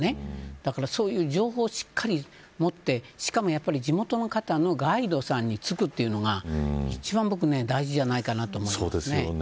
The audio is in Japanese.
そういう情報をしっかり持ってしかも地元の方のガイドさんにつくというのが一番大事じゃないかと思います。